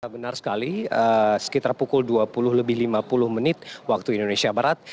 benar sekali sekitar pukul dua puluh lebih lima puluh menit waktu indonesia barat